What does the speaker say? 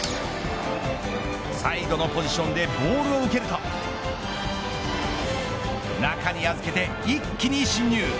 サイドのポジションでボールを受けると中に預けて、一気に侵入。